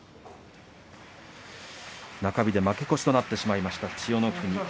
中日で負け越しとなってしまいました千代の国。